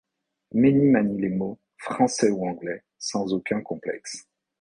Mény manie les mots, français ou anglais, sans aucun complexe.